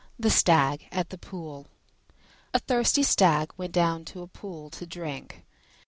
THE STAG AT THE POOL A thirsty Stag went down to a pool to drink.